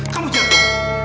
kamu jangan bohong